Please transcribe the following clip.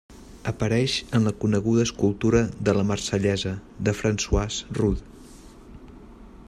Apareix en la coneguda escultura de La Marsellesa de François Rude.